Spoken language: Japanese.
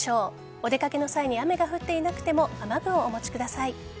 お出掛けの際に雨が降っていなくても雨具をお持ちください。